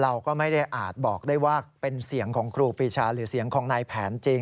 เราก็ไม่ได้อาจบอกได้ว่าเป็นเสียงของครูปีชาหรือเสียงของนายแผนจริง